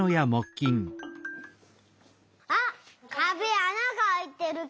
あっかべあながあいてる！